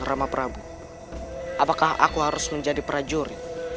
apakah aku harus menjadi prajurit